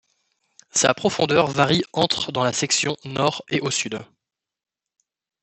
Sa profondeur varie entre dans la section nord et au sud.